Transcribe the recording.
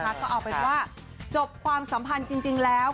ก็เอาเป็นว่าจบความสัมพันธ์จริงแล้ว